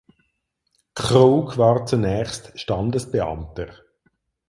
Krug war zunächst Standesbeamter.